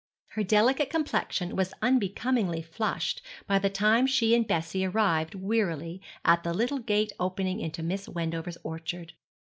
Her delicate complexion was unbecomingly flushed by the time she and Bessie arrived wearily at the little gate opening into Miss Wendover's orchard.